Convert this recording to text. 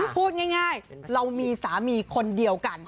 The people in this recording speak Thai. พูดง่ายเรามีสามีคนเดียวกัน